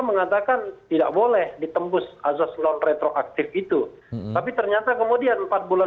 nah dikoreksi di dpd